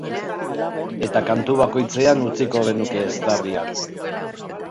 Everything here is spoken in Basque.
Eta kantu bakoitzean utziko genuke eztarria.